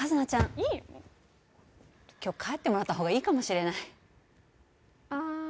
いいよもうっ今日帰ってもらった方がいいかもしれないあー